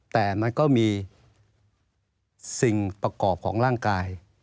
แต่มันก็มีสิ่งประกอบของร่างกาย